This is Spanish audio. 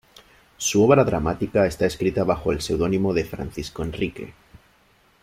Su obra dramática está escrita bajo el seudónimo de Francisco Enrique.